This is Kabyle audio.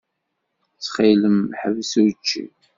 Ttxil-m, ḥbes učči.